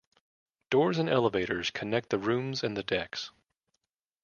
Doors and elevators connect the rooms and the decks.